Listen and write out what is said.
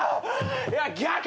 いや逆！